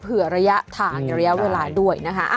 ระยะทางระยะเวลาด้วยนะคะ